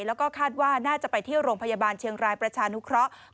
แล้วก็คาดว่าน่าจะไปที่โรงพยาบาลเชียงรายประชานุเคราะห์